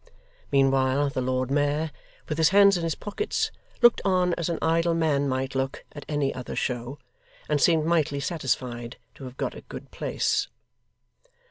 Meanwhile the Lord Mayor, with his hands in his pockets, looked on as an idle man might look at any other show, and seemed mightily satisfied to have got a good place.